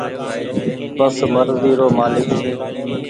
بس مرزي رو مآلڪ ڇي۔